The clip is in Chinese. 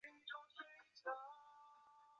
贾尼别克。